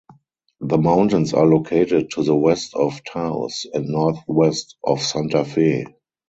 The mountains are located to the west of Taos and northwest of Santa Fe.